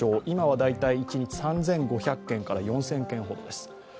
今は大体一日３５００件から４０００件ほどです。